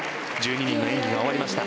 １２人の演技が終わりました。